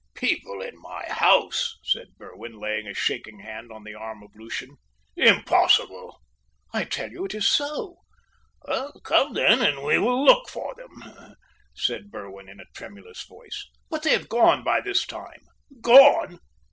"People in my house!" said Berwin, laying a shaking hand on the arm of Lucian. "Impossible!" "I tell you it is so!" "Come, then, and we will look for them," said Berwin in a tremulous voice. "But they have gone by this time!" "Gone!"